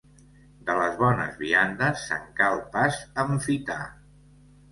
De les bones viandes se'n cal pas enfitar.